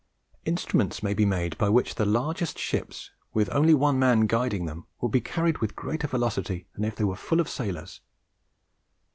Instruments may be made by which the largest ships, with only one man guiding them, will be carried with greater velocity than if they were full of sailors.